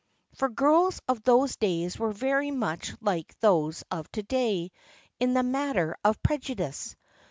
For girls of those days were very much like those of to day in the matter of prejudice.